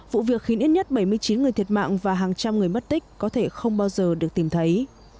vụ việc khiến ít nhất bảy mươi chín người thiệt mạng và hàng trăm người mất tích có thể không bao giờ được tìm thấy